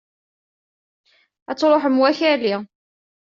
Ad truḥem wakali!